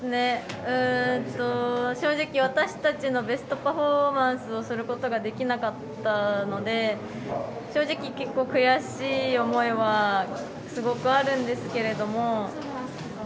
正直、私たちのベストパフォーマンスをすることができなかったので正直、結構悔しい思いはすごくあるんですけども。